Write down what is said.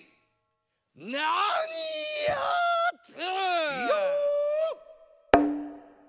なにやつ？